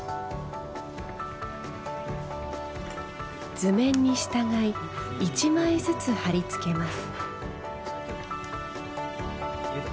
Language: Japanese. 図面に従い１枚ずつ貼り付けます。